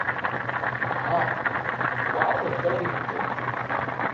Ha! Tewɛeṛ lhedṛa n medden!